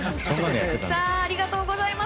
ありがとうございます。